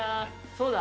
そうだ！